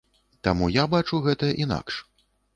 Таму я бачу гэта інакш.